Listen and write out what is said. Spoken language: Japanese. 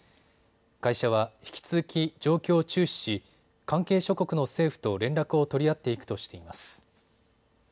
会社は引き続き状況を注視し関係諸国の政府と連絡を取り合っていくとしています。